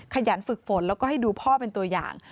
ขยันฝึกฝนแล้วก็ให้ดูพ่อเป็นตัวอย่าง